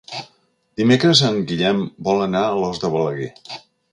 Dimecres en Guillem vol anar a Alòs de Balaguer.